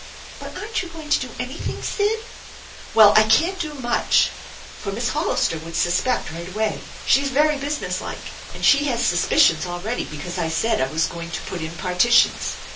" But aren't you going to do anything, Sid ?"" Well, I can't do much, for Miss Hollister would suspect right away. She's very businesslike, and she has suspicions already because I said I was going to put in partitions.